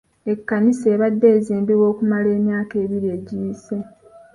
Ekkanisa ebadde ezimbibwa okumala emyaka ebiri egiyise.